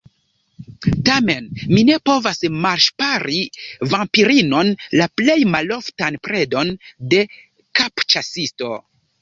Tamen, mi ne povas malŝpari vampirinon, la plej maloftan predon de kapĉasisto.